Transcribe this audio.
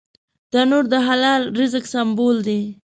تنور د حلال رزق سمبول دی